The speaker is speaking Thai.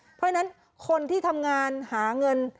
เพราะฉะนั้นคนที่ทำงานหาเงิน